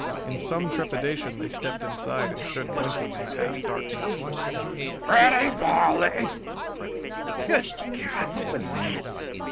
In some trepidation they stepped inside and stood blinking in the half darkness. "Pretty Polly!" "Good God! What was that?"